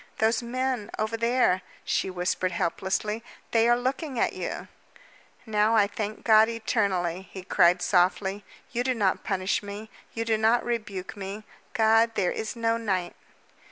"Those men over there," she whispered helplessly. "They are looking at you!" "Now, I thank God eternally," he cried softly, "You do not punish me, you do not rebuke me. God, there is no night!"